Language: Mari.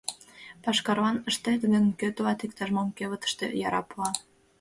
Пашкарлан ыштет гын, кӧ тылат иктаж-мом кевытыште яра пуа?